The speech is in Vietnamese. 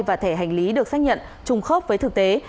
và thẻ hành lý được xác nhận trùng khớp với thực tế